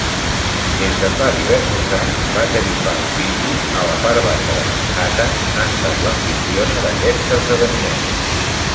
Des de fa diversos anys, Battery Park City, a la part baixa de Manhattan, ha estat l'amfitriona d'aquest esdeveniment.